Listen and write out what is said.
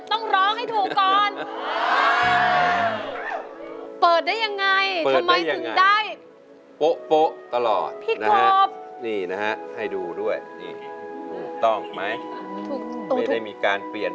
ต้องร้องให้ถูกก่อน